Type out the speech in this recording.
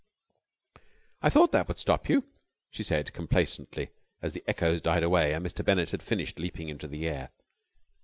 "I thought that would stop you," she said complacently, as the echoes died away and Mr. Bennett had finished leaping into the air.